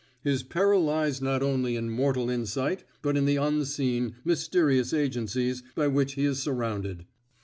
His peril lies not only in mortal insight, but in the unseen, mysterious agencies, by which he is surrounded.